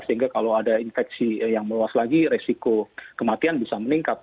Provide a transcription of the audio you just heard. sehingga kalau ada infeksi yang meluas lagi resiko kematian bisa meningkat